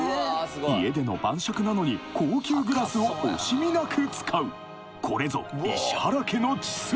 家での晩酌なのに高級グラスを惜しみなく使うこれぞ石原家の血筋！